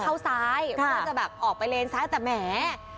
ใช่ถ้าเราจะแบบออกไปเลนซ้ายแต่แหม